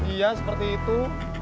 iya seperti itu